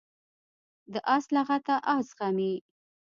د آس لغته آس زغمي.